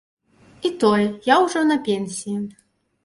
І тое, я ўжо на пенсіі.